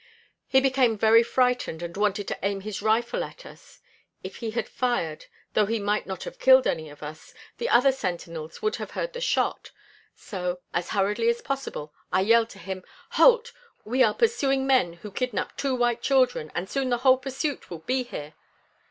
He became very frightened and wanted to aim his rifle at us. If he had fired, though he might not have killed any of us, the other sentinels would have heard the shot; so, as hurriedly as possible, I yelled to him: 'Halt! we are pursuing men who kidnapped two white children, and soon the whole pursuit will be here!'